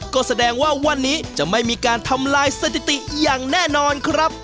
ก็แสดงว่าวันนี้จะไม่มีการทำลายสถิติอย่างแน่นอนครับ